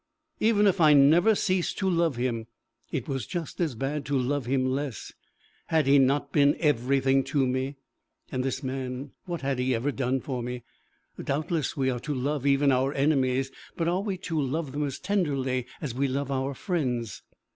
Even if I never ceased to love him, it was just as bad to love him less! Had he not been everything to me? and this man, what had he ever done for me? Doubtless we are to love even our enemies; but are we to love them as tenderly as we love our friends?